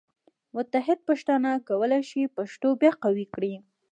متحد پښتانه کولی شي پښتو بیا قوي کړي.